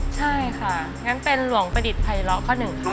ใช่ค่ะงั้นเป็นหลวงประดิษฐ์ภัยเลาะข้อหนึ่งค่ะ